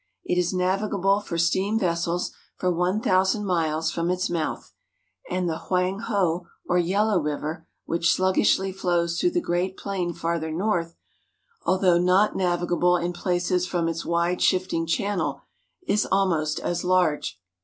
It is navigable for steam vessels for one thousand miles from its mouth, and the Hoang Ho or Yellow River, which sluggishly flows through the Great Plain farther north, although not navigable in places from its wide shifting channel, is almost as large.